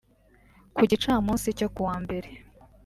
Ku gicamunsi cyo kuwa Mbere